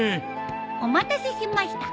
お待たせしました。